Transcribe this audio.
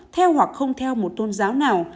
theo hoặc không theo một tôn giáo nào